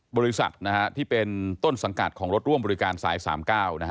บริษัทนะฮะที่เป็นต้นสังกัดของรถร่วมบริการสาย๓๙นะฮะ